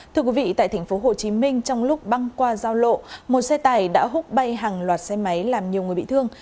thưa quý vị tại tp hcm trong lúc băng qua giao lộ một xe tải đã hút bay hàng loạt xe máy làm nhiều người bị thương